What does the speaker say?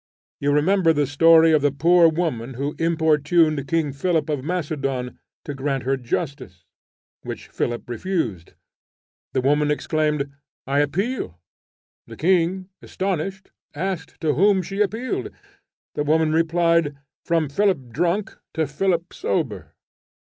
You remember the story of the poor woman who importuned King Philip of Macedon to grant her justice, which Philip refused: the woman exclaimed, "I appeal:" the king, astonished, asked to whom she appealed: the woman replied, "From Philip drunk to Philip sober."